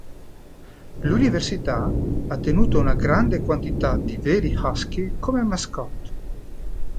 L'università ha tenuto una grande quantità di veri Husky come mascotte.